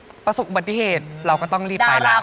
หมูนี้ประสูรบัติเหตุเราก็ต้องลิบไปแล้ว